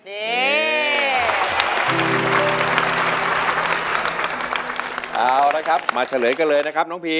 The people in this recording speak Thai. เอาละครับมาเฉลยกันเลยนะครับน้องพี